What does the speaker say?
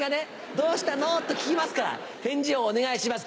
「どうしたの？」と聞きますから返事をお願いします。